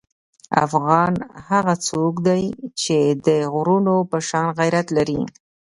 افغان هغه څوک دی چې د غرونو په شان غیرت لري.